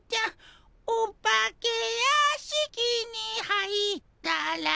「お化けやしきに入ったら」